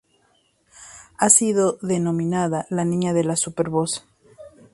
Ha sido denominada la niña de la super voz.